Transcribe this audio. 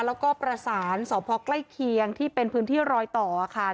แล้วก็ประสานสพใกล้เคียงที่เป็นพื้นที่รอยต่อค่ะ